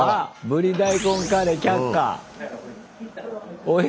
ブリ大根カレー却下。